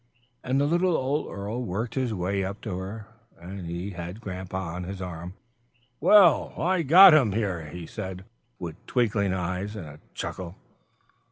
And the little old earl worked his way up to her, and he had Grandpapa on his arm. "Well, I got him here," he said with twinkling eyes, and a chuckle.